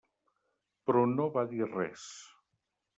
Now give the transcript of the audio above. Però no va dir res.